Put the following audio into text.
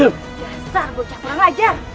jasar bocah kurang ajar